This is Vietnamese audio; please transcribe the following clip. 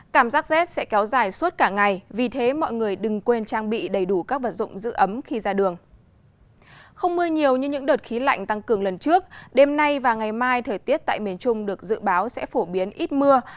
không mưa nhiều như những đợt khí lạnh tăng cường lần trước đêm nay và ngày mai thời tiết tại miền trung được dự báo sẽ phổ biến ít mưa